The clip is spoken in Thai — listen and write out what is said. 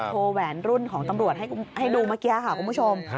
แหวนรุ่นของตำรวจให้ดูเมื่อกี้ค่ะคุณผู้ชม